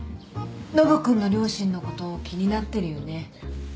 ノブ君の両親のこと気になってるよね？